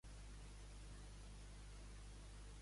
Fortuna amunt, d'un a un; fortuna avall, devessall.